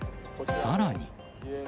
さらに。